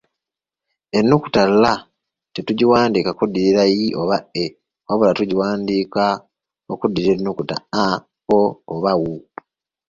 "Ennyukuta l tetugiwandiika kuddirira nnyukuta i oba e wabula tugiwandiika kuddirira nnyukuta a, o oba u."